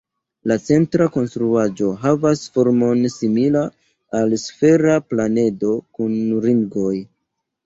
La centra konstruaĵo havas formon simila al sfera planedo kun ringoj.